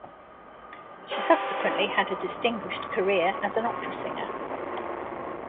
She subsequently had a distinguished career as an opera singer.